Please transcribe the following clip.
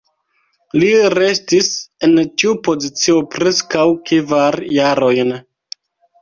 Li restis en tiu pozicio preskaŭ kvar jarojn.